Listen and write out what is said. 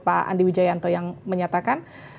pak andi wijayanto yang menyatakan